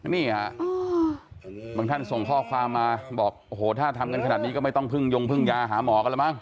นี่ฮะบางท่านส่งข้อความมาบอกโอ้โหถ้าทำกันขนาดนี้ก็ไม่ต้องพึ่งยงพึ่งยาหาหมอกันแล้วมั้ง